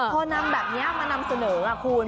พอนำแบบนี้มานำเสนอคุณ